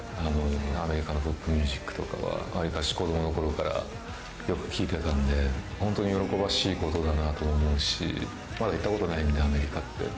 アメリカのポップミュージックとかは、わりかし、子どものころからよく聴いてたんで、本当に喜ばしいことだなと思うし、まだ行ったことないんで、アメリカって。